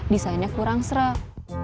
desainnya kurang serap